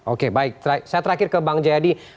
oke baik saya terakhir ke bang jayadi